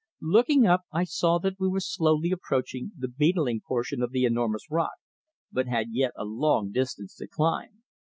Looking up, I saw that we were slowly approaching the beetling portion of the enormous rock, but had yet a long distance to climb.